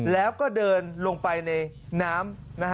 แล้วก็เดินลงไปในน้ำ